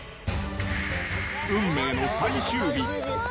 運命の最終日。